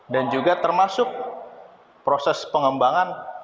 dan juga termasuk proses pengembangan